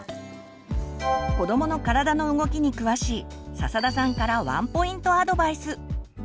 子どもの体の動きに詳しい笹田さんからワンポイントアドバイス。